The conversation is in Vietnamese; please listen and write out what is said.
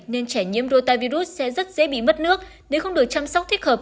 nên trẻ nhiễm rotavirus sẽ rất dễ bị mất nước nếu không được chăm sóc thích hợp